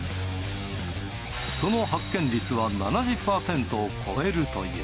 その発見率は７０％を超えるという。